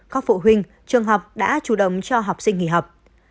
các phụ huynh trường học đã chủ động cho học sinh nghỉ học